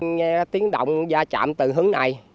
nghe tiếng động ra chạm từ hướng này